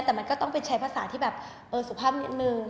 แต่มันก็ต้องมีแบบสุขภาพนิดนึง